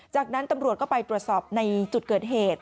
จากนั้นตำรวจก็ไปตรวจสอบในจุดเกิดเหตุ